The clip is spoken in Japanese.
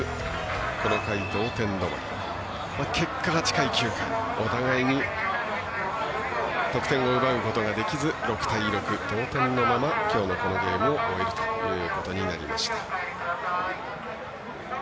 この回、同点という結果、８回、９回お互いに得点を奪うことができず６対６の同点のまま、きょうのこのゲームを終えるということになりました。